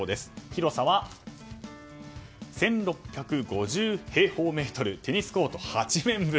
広さは、１６５０平方メートルテニスコート８面分。